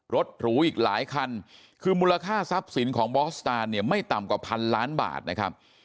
หรูอีกหลายคันคือมูลค่าทรัพย์สินของบอสตานเนี่ยไม่ต่ำกว่าพันล้านบาทนะครับ